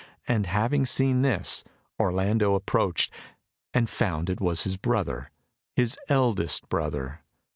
And having seen this, Orlando approached, and found it was his brother his eldest brother.